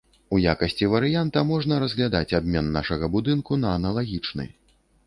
У якасці варыянта можна разглядаць абмен нашага будынку на аналагічны.